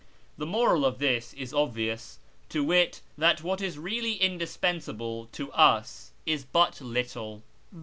' The moral of this is obvious, to wit, that what is really indispensable to us is but little."